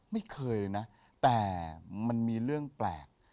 ไม่เคยนะแต่มันมีเรื่องแปลก